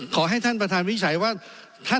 ไม่ได้เป็นประธานคณะกรุงตรี